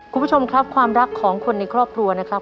คุณผู้ชมครับความรักของคนในครอบครัวนะครับ